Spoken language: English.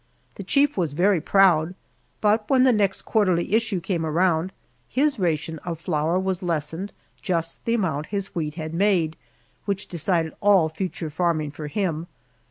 The chief was very proud. But when the next quarterly issue came around, his ration of flour was lessened just the amount his wheat had made, which decided all future farming for him!